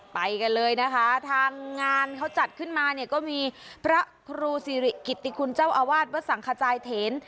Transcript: ไปกันเลยนะคะทางงานเขาจัดขึ้นมาเนี่ยก็มีพระครูสิริกิติคุณเจ้าอาวาสวัดสังขจายเถน